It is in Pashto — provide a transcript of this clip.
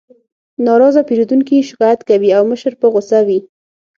ناراضه پیرودونکي شکایت کوي او مشر په غوسه وي